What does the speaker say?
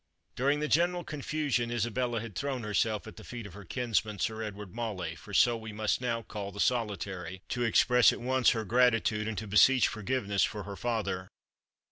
During the general confusion, Isabella had thrown herself at the feet of her kinsman, Sir Edward Mauley, for so we must now call the Solitary, to express at once her gratitude, and to beseech forgiveness for her father.